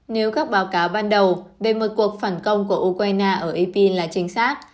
nếu các báo cáo ban đầu về một cuộc phản công của ukraine ở apin là chính xác